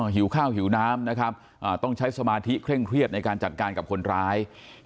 หิวข้าวหิวน้ำนะครับต้องใช้สมาธิเคร่งเครียดในการจัดการกับคนร้าย